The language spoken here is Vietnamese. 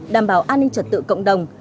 đảm bảo an ninh trật tự cộng đồng